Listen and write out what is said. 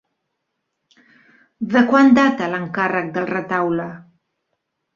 De quan data l'encàrrec del retaule?